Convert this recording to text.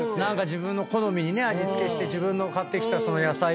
自分の好みにね味付けして自分の買ってきた野菜を。